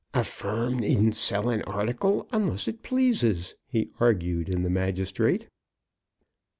"A firm needn't sell an article unless it pleases," he argued to the magistrate.